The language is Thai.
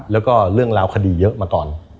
แล้วก็เรื่องราวคดีเยอะมาก่อน